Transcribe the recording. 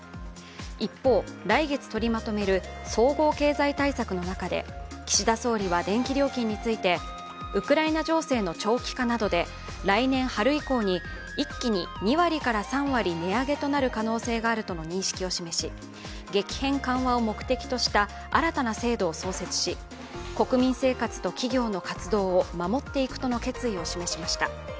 一方、来月取りまとめる総合経済対策の中で岸田総理は、電気料金についてウクライナ情勢の長期化などで来年春以降に一気に２割から３割値上げとなる可能性があるとの認識を示し、激変緩和を目的とした新たな制度を創設し国民生活と企業の活動を守っていくとの決意を示しました。